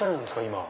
今。